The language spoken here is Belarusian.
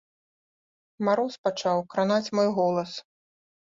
Мароз пачаў кранаць мой голас.